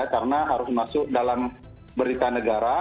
karena harus masuk dalam berita negara